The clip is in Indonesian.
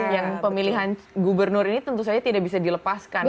yang pemilihan gubernur ini tentu saja tidak bisa dilepaskan